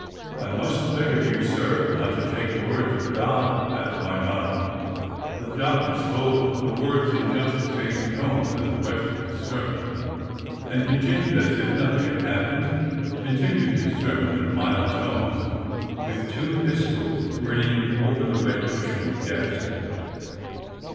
"I must beg of you, sir, not to take the words of God out of my mouth!" The Doctor spoke the words in just the same tones as the rest of his sermon, and continued as if nothing had happened — continued his HOLDING THE PULPIT 283 sermon in mild tones, with two pistols grinning over the red cushioned desk.